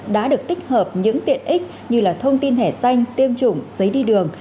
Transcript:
đã được tích hợp những tiện ích như thông tin thẻ xanh tiêm chủng giấy đi đường